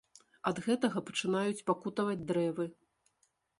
Ад гэтага пачынаюць пакутаваць дрэвы.